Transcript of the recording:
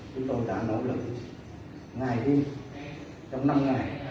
chúng tôi đã nỗ lực ngày đêm trong năm ngày